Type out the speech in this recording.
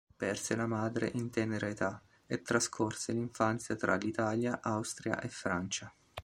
Perse la madre in tenera età e trascorse l'infanzia tra Italia, Austria e Francia.